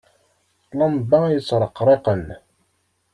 Lamba yettreqriqen.